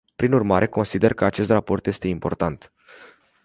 Prin urmare, consider că acest raport este important.